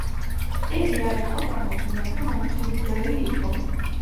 იგი არ იყო ლამაზი, მაგრამ მომხიბვლელი იყო.